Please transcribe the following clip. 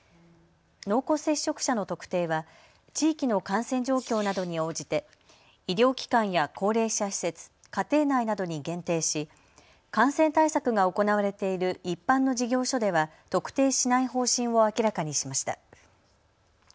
濃厚接触者の特定は地域の感染状況などに応じて医療機関や高齢者施設、家庭内などに限定し感染対策が行われている一般の事業所では特定しない方針を明らかにしました。